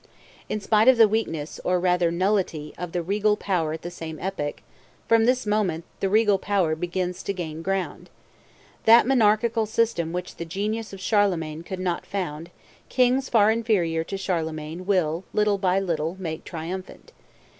In spite of the weakness, or rather nullity, of the regal power at the same epoch, from this moment the regal power begins to gain ground. That monarchical system which the genius of Charlemagne could not found, kings far inferior to Charlemagne will little by little make triumphant.